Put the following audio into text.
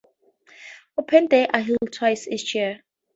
Open Days are held twice each year.